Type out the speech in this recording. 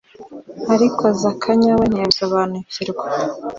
ariko Zakanya we ntiyabisobanukirwa.